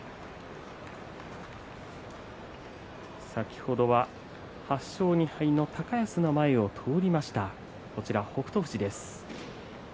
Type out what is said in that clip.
先ほどは８勝２敗の高安の前を通りました北勝富士。